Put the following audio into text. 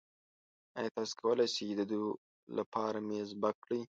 ایا تاسو کولی شئ د دوو لپاره میز بک کړئ؟